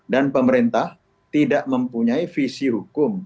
dan pemerintah tidak mempunyai visi hukum